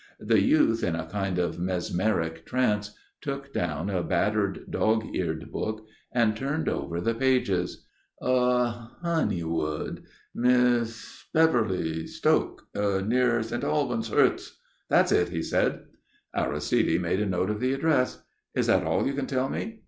The youth in a kind of mesmeric trance took down a battered, dog's eared book and turned over the pages. "Honeywood Miss Beverly Stoke near St. Albans Herts. That's it," he said. Aristide made a note of the address. "Is that all you can tell me?"